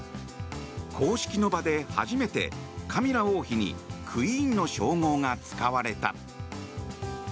公式の場で初めて、カミラ王妃にクイーンの称号が使われた。